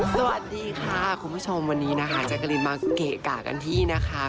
สวัสดีค่ะคุณผู้ชมวันนี้นะคะแจ๊กกะลินมาเกะกะกันที่นะคะ